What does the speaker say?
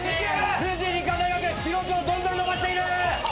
フジ理科大学記録をどんどん伸ばしている！